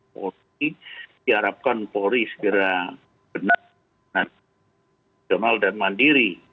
jadi diharapkan polri segera benar dan jemal dan mandiri